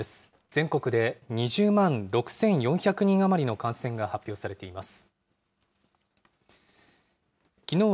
全国で２０万６４００人余りの感染が発表されています。